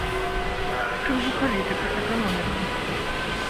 Гэта ўжо палітыка, эканоміка.